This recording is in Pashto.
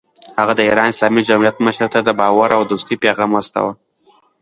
هغه د ایران اسلامي جمهوریت مشر ته د باور او دوستۍ پیغام واستاوه.